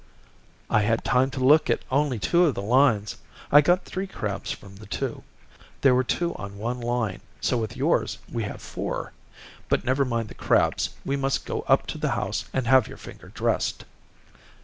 "I had time to look at only two of the lines, I got three crabs from the two. There were two on one line, so with yours we have four. But never mind the crabs; we must go up to the house and have your finger dressed."